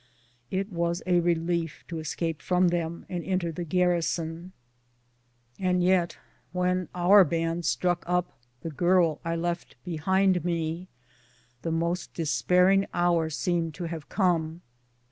g^^j^^^ ijlOiOUW It was a relief to escape fftjm^ieln iaiid enfer the garrison, and yet, when our band struck up " The Girl I Left Behind Me," the most despairing hour seemed to liave come.